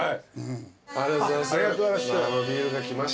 ありがとうございます